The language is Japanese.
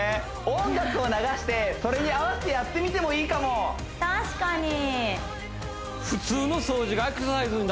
音楽を流してそれに合わせてやってみてもいいかも確かに！